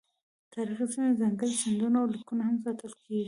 تاریخي سیمې، ځانګړي سندونه او لیکونه هم ساتل کیږي.